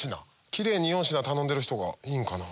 キレイに４品頼んでる人がいいんかな。